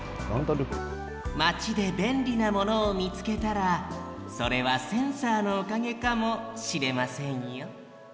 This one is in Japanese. マチでべんりなものをみつけたらそれはセンサーのおかげかもしれませんよ